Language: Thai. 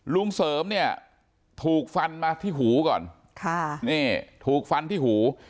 ลุงเสริมเนี่ยถูกฟันมาที่หูก่อนค่ะนี่ถูกฟันที่หู